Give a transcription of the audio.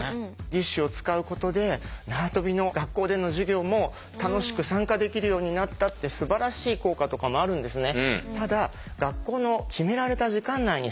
義手を使うことで縄跳びの学校での授業も楽しく参加できるようになったってすばらしい効果とかもあるんですね。